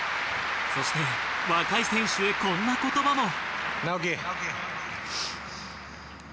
そして若い選手へこんな言葉も。